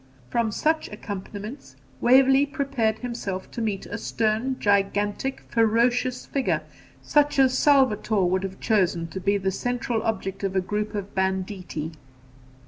From such accompaniments, Waverley prepared himself to meet a stern, gigantic, ferocious figure, such as Salvator would have chosen to be the central object of a group of banditti.